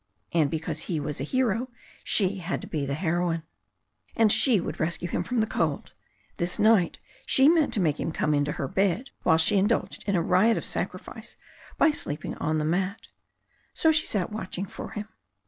And because he was a hero she had to be the heroine. And she would rescue him from the cold. This night she meant to make him come in to her bed, while she indulged in a riot of sacrifice by sleeping on the mat. So she sat watching for him.